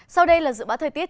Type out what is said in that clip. sau đây là dự bã thời tiết